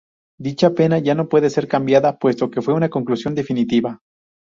Dicha pena ya no puede ser cambiada puesto que fue una conclusión definitiva.